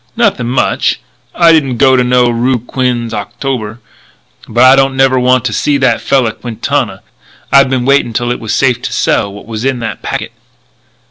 "Nothing much. I didn't go to no roo Quinze Octobre. But I don't never want to see that fella Quintana. I've been waiting till it's safe to sell what was in that packet."